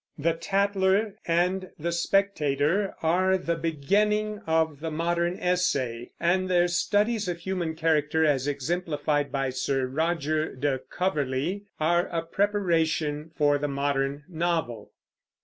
The Tatler and The Spectator are the beginning of the modern essay; and their studies of human character, as exemplified in Sir Roger de Coverley, are a preparation for the modern novel.